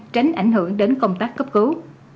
tránh ảnh hưởng đến công tác cấp cứu